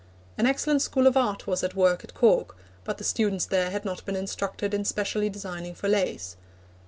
An excellent School of Art was at work at Cork, but the students there had not been instructed in specially designing for lace.